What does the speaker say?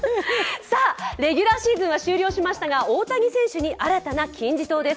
レギュラーシーズンは終了しましたが、大谷選手に新たな金字塔です。